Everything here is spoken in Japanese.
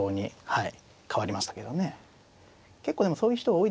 はい。